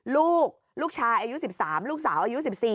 ลูกลูกชายอายุ๑๓ลูกสาวอายุ๑๔